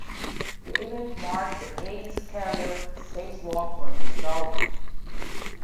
The event marked the eighth career spacewalk for Padalka.